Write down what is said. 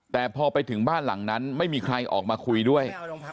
แต่พอไปถึงบ้านหลังนั้นไม่มีใครออกมาคุยด้วย